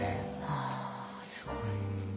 あすごい。